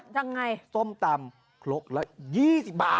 ยังไงส้มตำครกละ๒๐บาท